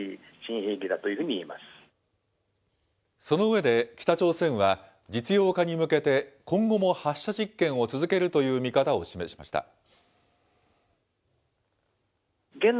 その上で、北朝鮮は実用化に向けて、今後も発射実験を続けるという見方を示しました。